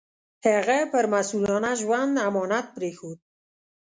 هغه پر مسوولانه ژوند امانت پرېښود.